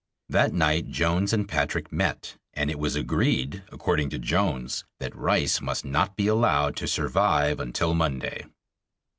That night Jones and Patrick met, and it was agreed (according to Jones) that Rice must not be allowed to survive until Monday.